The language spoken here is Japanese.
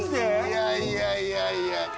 いやいやいやいや。